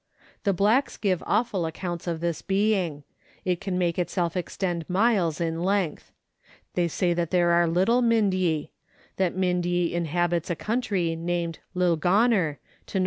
The blacks give awful accounts of this being ; it can make itself extend miles in length. They say that there are little Mindye ; that Mindye inhabits a country named Lillgoner to N.W.